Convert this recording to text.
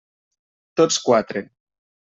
Tots quatre.